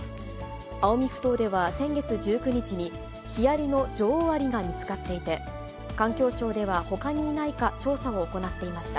青海ふ頭では先月１９日に、ヒアリの女王アリが見つかっていて、環境省ではほかにいないか調査を行っていました。